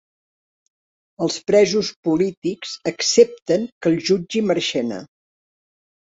Els presos polítics accepten que els jutgi Marchena